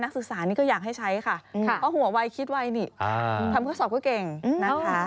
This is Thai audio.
คืออย่างให้ใช้ค่ะเพราะหัวไวคิดไวนี่ทำเครื่องสอบก็เก่งนะคะ